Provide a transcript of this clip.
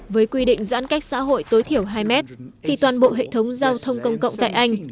với quy định giãn cách xã hội tối thiểu hai mét thì toàn bộ hệ thống giao thông công cộng tại anh